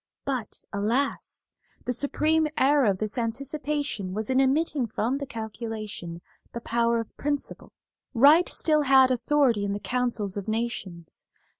But, alas! the supreme error of this anticipation was in omitting from the calculation the power of principle. Right still had authority in the councils of nations.